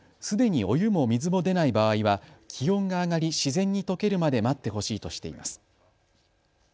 すでにお湯も水も出ない場合は気温が上がり自然にとけるまで待ってほしいとしています。